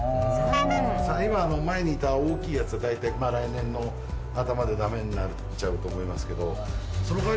今前にいた大きいやつはだいたい来年の頭でだめになっちゃうと思いますけど。